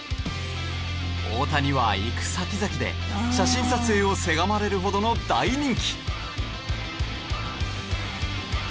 大谷は行く先々で写真撮影をせがまれるほどの大人気。